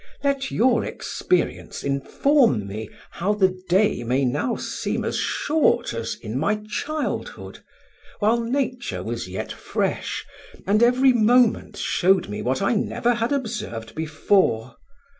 Let your experience inform me how the day may now seem as short as in my childhood, while nature was yet fresh, and every moment showed me what I never had observed before.